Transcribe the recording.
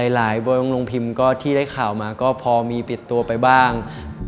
โรงพิมพ์ก็ที่ได้ข่าวมาก็พอมีปิดตัวไปบ้าง